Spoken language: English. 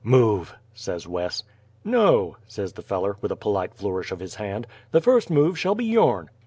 "Move," says Wes. "No," says the feller, with a polite flourish of his hand; "the first move shall be your'n."